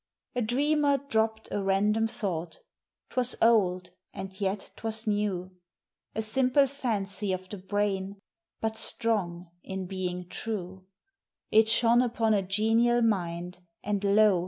A dreamer dropped a random thought; 't was old, and yet 't was new; A simple fancy of the brain, but strong in being true. It shone upon a genial mind, and lo!